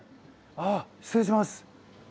あ失礼します。